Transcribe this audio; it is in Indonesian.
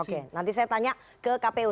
oke nanti saya tanya ke kpu